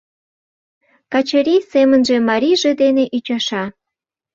Качырий семынже марийже дене ӱчаша.